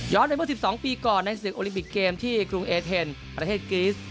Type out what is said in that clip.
ไปเมื่อ๑๒ปีก่อนในศึกโอลิมปิกเกมที่กรุงเอเทนประเทศกรีส